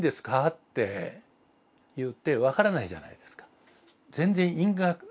っていって分からないじゃないですか。